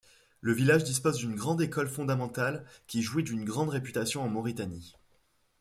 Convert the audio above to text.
Le village dispose d'une grande école fondamentale qui jouit d'une grande réputation en Mauritanie.